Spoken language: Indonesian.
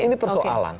dan ini persoalan